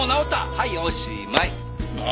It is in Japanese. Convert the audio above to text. はいおしまい。